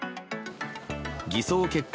偽装結婚